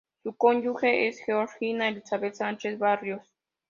Su cónyuge es Georgina Elizabeth Sánchez Barrios.